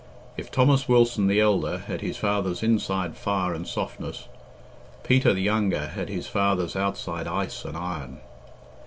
If Thomas Wilson the elder had his father's inside fire and softness, Peter, the younger, had his father's outside ice and iron.